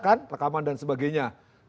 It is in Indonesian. kan rekaman dan sebagainya